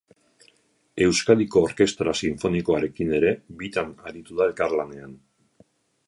Euskadiko Orkestra Sinfonikoarekin ere bitan aritu da elkarlanean.